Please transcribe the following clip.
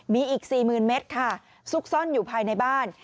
มีอีก๔๐๐๐เมตรค่ะซุกซ่อนอยู่ภายในบ้าน